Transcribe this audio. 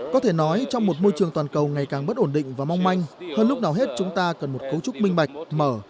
có thể nói trong một môi trường toàn cầu ngày càng bất ổn định và mong manh hơn lúc nào hết chúng ta cần một cấu trúc minh bạch mở